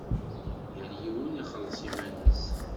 Yal yiwen ixelleṣ iman-is.